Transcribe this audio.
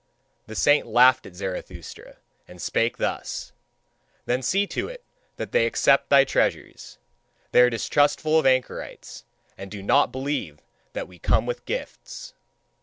The saint laughed at Zarathustra, and spake thus: "Then see to it that they accept thy treasures! They are distrustful of anchorites, and do not believe that we come with gifts.